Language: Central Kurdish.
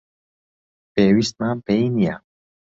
پێویستمان پێی نییە.